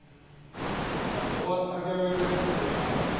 そんな高圧作業用の手袋いらんだろ。